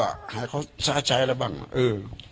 เราก็อ่ะหาเขาสะใจแล้วบ้างเออ